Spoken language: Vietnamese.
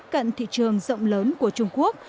cận thị trường rộng lớn của trung quốc